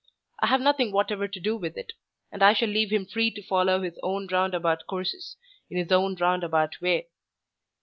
I have nothing whatever to do with it; and I shall leave him free to follow his own roundabout courses, in his own roundabout way."